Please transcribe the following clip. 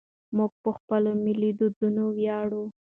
موږ په خپلو ملي دودونو ویاړو.